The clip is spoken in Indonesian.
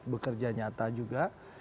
bekerja nyata juga